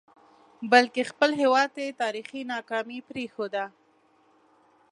بلکې خپل هیواد ته یې تاریخي ناکامي پرېښوده.